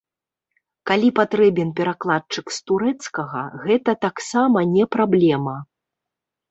Калі патрэбен перакладчык з турэцкага, гэта таксама не праблема.